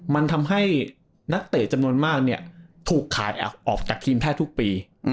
มันทำให้นักเตะจำนวนมากถูกขาดออกจากทีมแพทย์ทุกปี